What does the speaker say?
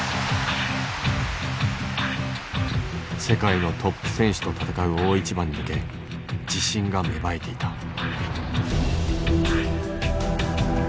世界のトップ選手と戦う大一番に向け自信が芽生えていた。